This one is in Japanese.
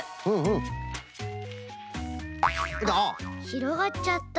ひろがっちゃった。